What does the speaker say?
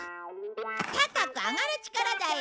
高く上がる力だよ！